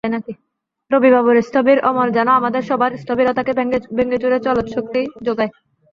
রবি বাবুর স্থবির অমল যেন আমাদের সবার স্থবিরতাকে ভেঙেচুরে চলৎশক্তি জোগায়।